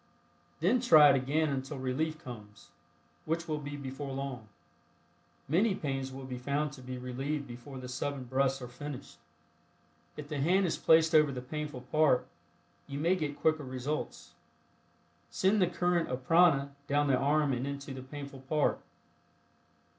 Then try it again until relief comes, which will be before long. Many pains will be found to be relieved before the seven breaths are finished. If the hand is placed over the painful part, you may get quicker results. Send the current of prana down the arm and into the painful part.